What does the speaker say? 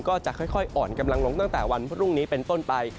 ก็จะค่อยอ่อนกำลังลงตั้งแต่วันพรุ่งนี้เป็นต้นไป